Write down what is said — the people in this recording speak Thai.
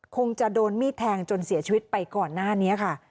คงจะโดนมีดแทงจนเสียชีวิตไปก่อนหน้านี้ค่ะ